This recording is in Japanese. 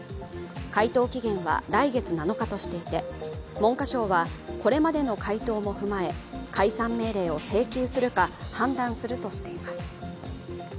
回答期限は来月７日としていて、文科省はこれまでの回答も踏まえ、解散命令を請求するか判断するとしています。